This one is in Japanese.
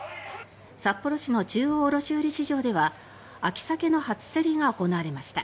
札幌市の中央卸売市場では秋サケの初競りが行われました。